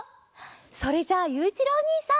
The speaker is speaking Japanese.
それじゃあゆういちろうおにいさん！